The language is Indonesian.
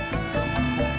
gak ada de